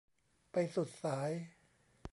ไปสุดสาย